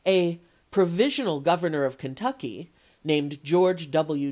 A " provisional Gov ernor" of Kentucky, named George W.